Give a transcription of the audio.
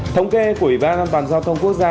thống kê của ủy ban an toàn giao thông quốc gia